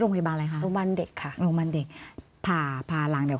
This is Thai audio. โรงพยาบาลอะไรคะโรงพยาบาลเด็กค่ะโรงพยาบาลเด็กผ่าผ่าหลังเดี๋ยว